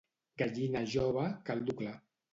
Gallina jove, caldo clar.